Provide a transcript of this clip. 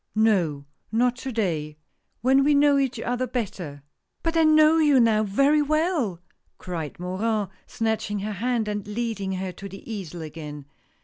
"No, not to day. When we know each other better." "But I know you now very well!" cried Morin, snatching her hand, and leading her to the easel again.